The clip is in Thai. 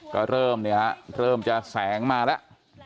ก็เริ่มเนี่ยฮะเริ่มจะแสงมาแล้ว